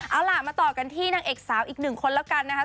เอาล่ะมาต่อกันที่นางเอกสาวอีกหนึ่งคนแล้วกันนะคะ